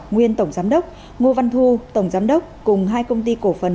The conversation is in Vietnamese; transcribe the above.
nguyên tổng giám đốc ngô văn thu tổng giám đốc cùng hai công ty cổ phần